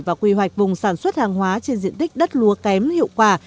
và quy hoạch vùng sản xuất hàng hóa trên diện tích đất lúa kém hiệu quả